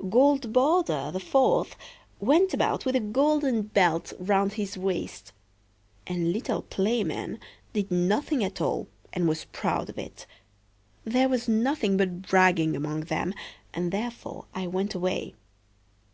Goldborder, the fourth, went about with a golden belt round his waist; and little Playman did nothing at all, and was proud of it. There was nothing but bragging among them, and therefore I went away."